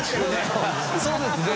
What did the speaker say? そうですね。